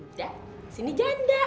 duda sini janda